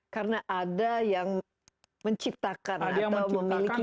karena ada yang menciptakan atau memiliki ide untuk membuat gagang itu